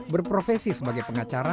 berprofesi sebagai pengacara